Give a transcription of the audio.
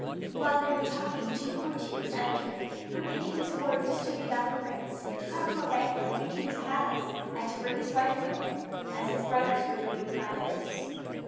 While they were talking two courtiers entered, with the king's orders to the young prince, to come to a banquet at the king's palace, and bring his wife with him, as his brothers were doing by theirs.